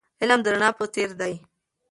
علم د رڼا په څېر دی.